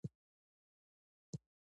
سوکاله ژوند دټولو حق دی .